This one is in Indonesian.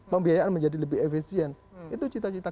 pembiayaan menjadi lebih efisien itu cita cita